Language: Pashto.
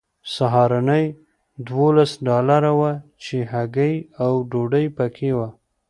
سهارنۍ دولس ډالره وه چې هګۍ او ډوډۍ پکې وه